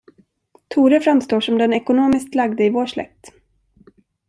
Tore framstår som den ekonomiskt lagde i vår släkt.